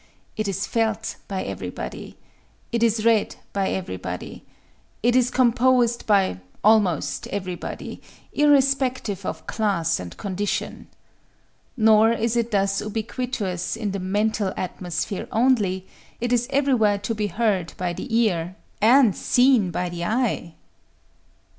It is felt by everybody. It is read by everybody. It is composed by almost everybody,—irrespective of class and condition. Nor is it thus ubiquitous in the mental atmosphere only: it is everywhere to be heard by the ear, and _seen by the eye!